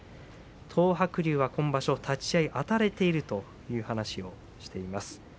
東白龍は今場所立ち合いあたれているという話をしています。